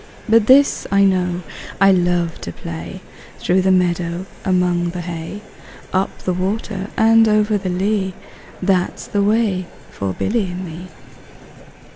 20 But this I know, I love to play Through the meadow, among the hay; Up the water and over the lea, That 's the way for Billy and me.